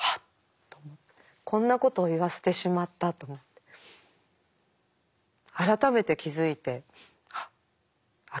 こんなことを言わせてしまったと思って改めて気付いて「ああ諦められない」って。